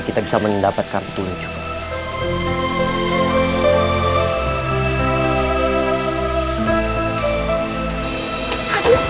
kita bisa mendapatkan petunjuk